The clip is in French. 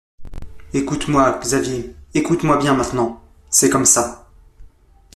Écoute-moi, Xavier, écoute-moi bien maintenant. C’est comme ça.